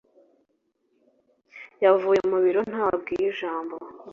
Yavuye mu biro ntawe abwiye ijambo.